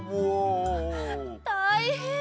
たいへん！